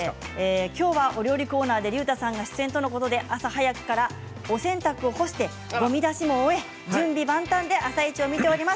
きょうはお料理コーナーでりゅうたさんが出演ということで朝早くからお洗濯を干してごみ出しも終え準備万端で「あさイチ」を見ています。